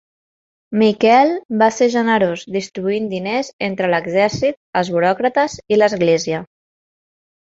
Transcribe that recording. Miquel va ser generós distribuint diners entre l'exèrcit, els buròcrates i l'Església.